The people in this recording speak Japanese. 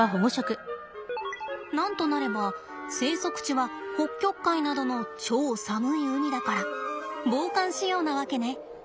なんとなれば生息地は北極海などの超寒い海だから防寒仕様なわけね。